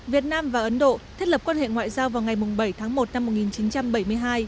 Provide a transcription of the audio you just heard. việt nam và ấn độ thiết lập quan hệ ngoại giao vào ngày bảy tháng một năm một nghìn chín trăm bảy mươi hai